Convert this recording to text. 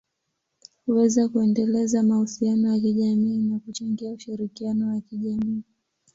huweza kuendeleza mahusiano ya kijamii na kuchangia ushirikiano wa kijamii.